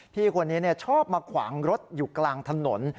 พี่คนนี้ชอบมาขวางรถอยู่กลางถนน